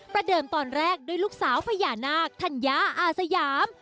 เดิมตอนแรกด้วยลูกสาวพญานาคธัญญาอาสยาม